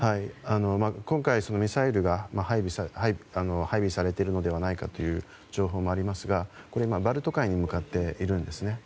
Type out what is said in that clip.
今回、ミサイルが配備されているのではないかという情報もありますがバルト海に向かっているんです。